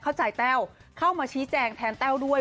แต้วเข้ามาชี้แจงแทนแต้วด้วย